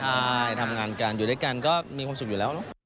ใช่ทำงานกันอยู่ด้วยกันก็มีความสุขอยู่แล้วเนอะ